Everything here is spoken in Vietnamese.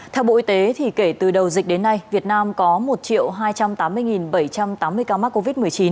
theo bộ y tế kể từ đầu dịch đến nay việt nam có một hai trăm tám mươi bảy trăm tám mươi ca mắc covid một mươi chín